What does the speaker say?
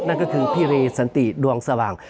นั่นก็คือพี่รีสันติดวงสว่าง